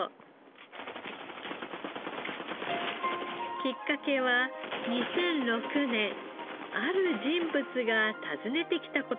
きっかけは２００６年ある人物が訪ねてきた事でした。